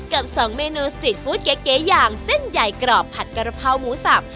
กับ๒เมนูสตรีทฟู้ดเก๋อย่างเส้นใหญ่กรอบผัดกระเพราหมูสับ